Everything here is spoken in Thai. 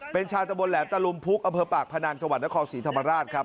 เป็นชาวตะบนแหลมตะลุมพุกอำเภอปากพนังจังหวัดนครศรีธรรมราชครับ